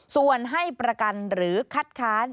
ส่วนให้ประกันหรือคัดค้าน